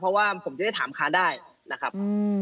เพราะว่าผมจะได้ถามค้าได้นะครับ